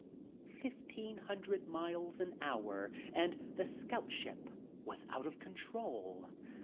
Fifteen hundred miles an hour and the scout ship was out of control!